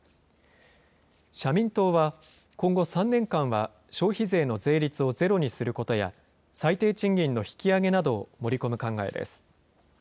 社民党は、今後３年間は、消費税の税率をゼロにすることや、最低賃金の引き上げなどを盛り込む考えです。